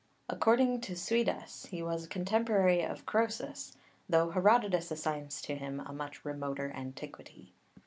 According to Suidas he was a contemporary of Kroesus, though Herodotus assigns to him a much remoter antiquity.